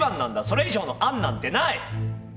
それ以上の案なんてない。